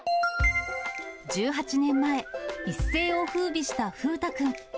１８年前、一世をふうびした風太くん。